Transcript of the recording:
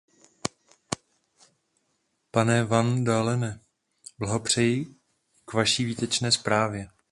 Pane van Dalene, blahopřeji k vaší výtečné zprávě.